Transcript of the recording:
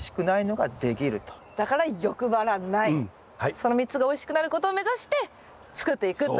その３つがおいしくなることを目指して作っていくという。